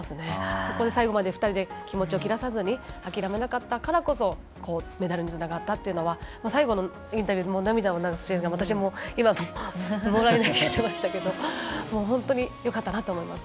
そこで最後まで２人で気持ちを切らさずに諦めなかったからこそメダルにつながったというのは最後のインタビュー涙を流すシーンで私も今、もらい泣きしましたけど本当に、よかったなと思います。